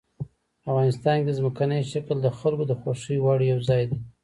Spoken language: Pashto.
افغانستان کې ځمکنی شکل د خلکو د خوښې وړ یو ځای دی.